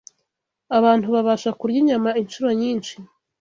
abantu babasha kurya inyama inshuro nyinshi